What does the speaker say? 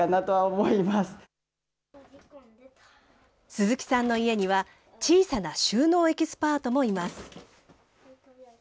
鈴木さんの家には、小さな収納エキスパートもいます。